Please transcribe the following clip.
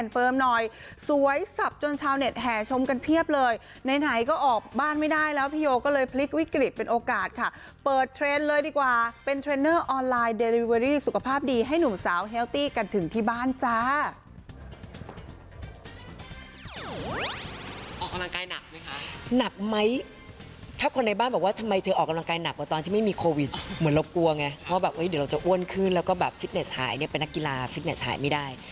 เปิดเทรนด์เลยดีกว่าเป็นเทรนเนอร์ออนไลน์เดลิเวอรี่สุขภาพดีให้หนุ่มสาวแฮลตี้กันถึงที่บ้านจ้าออกกำลังกายหนักไหมคะหนักไหมถ้าคนในบ้านบอกว่าทำไมเธอออกกำลังกายหนักกว่าตอนที่ไม่มีโควิดเหมือนเรากลัวไงเพราะแบบเดี๋ยวเราจะอ้วนขึ้นแล้วก็แบบฟิตเนสหายเป็นนักกีฬาฟิตเนสหายไม่ได้